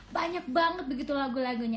banyak banget begitu lagu lagunya